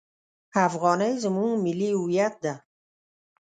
افغانۍ زموږ ملي هویت ده!